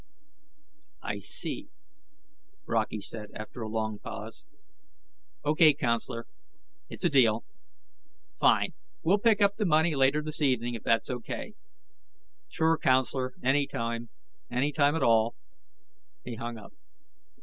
"I see," Brockey said after a long pause. "O.K., counselor. It's a deal." "Fine. We'll pick up the money later this evening, if that's O.K." "Sure, counselor. Anytime. Anytime at all." He hung up.